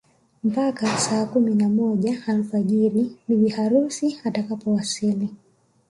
Mpaka saa kumi na moja alfajiri bibi harusi atakapowasili